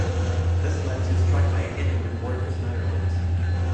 This led to a strike by immigrant workers in Ireland.